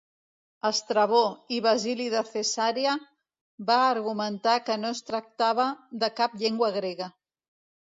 Estrabó i Basili de Cesarea van argumentar que no es tractava de cap llengua grega.